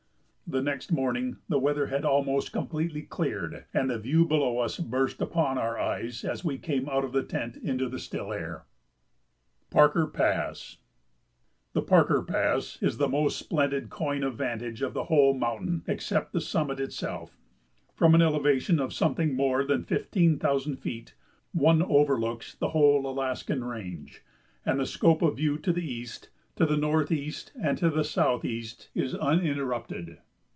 The next morning the weather had almost completely cleared, and the view below us burst upon our eyes as we came out of the tent into the still air. [Sidenote: Parker Pass] The Parker Pass is the most splendid coigne of vantage on the whole mountain, except the summit itself. From an elevation of something more than fifteen thousand feet one overlooks the whole Alaskan range, and the scope of view to the east, to the northeast, and to the southeast is uninterrupted.